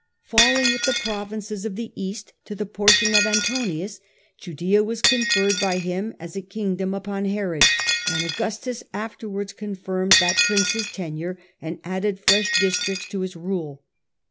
Falling with the provinces of the East to the portion of Antonius, Judaea was conferred by him as a kingdom upon Herod, and Augustus afterwards confirmed that prince's tenure and added fresh districts to his rule.